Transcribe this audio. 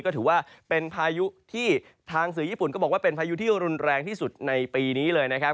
ก็ถือว่าเป็นพายุที่ทางสื่อญี่ปุ่นก็บอกว่าเป็นพายุที่รุนแรงที่สุดในปีนี้เลยนะครับ